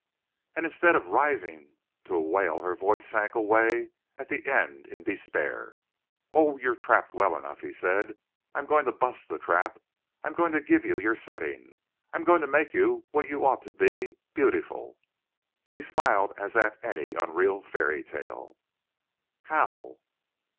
And instead of rising to a wail her voice sank away at the end in despair. "Oh, you're trapped well enough," he said. "I'm going to bust the trap! I'm going to give you your setting. I'm going to make you what you ought to be beautiful!" She smiled as at any unreal fairy tale. "How?"